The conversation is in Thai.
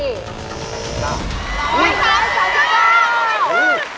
ถูกกว่านี้อีกแล้ว